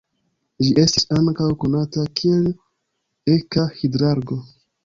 Ĝi estis ankaŭ konata kiel eka-hidrargo.